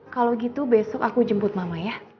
kalau gitu besok aku jemput mama ya